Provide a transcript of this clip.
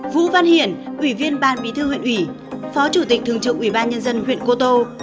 vũ văn hiển ủy viên ban bí thư huyện ủy phó chủ tịch thường trực ủy ban nhân dân huyện cô tô